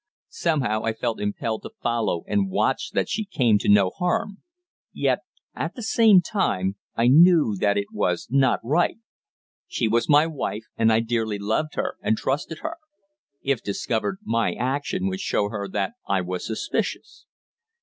Somehow I felt impelled to follow and watch that she came to no harm; yet, at the same time, I knew that it was not right. She was my wife, and I dearly loved her and trusted her. If discovered, my action would show her that I was suspicious.